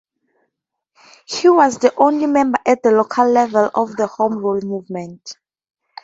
He was the only member at the local level of the Home Rule movement.